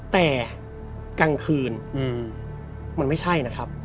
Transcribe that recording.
แต่กลางคืนมันไม่ใช่นะครับ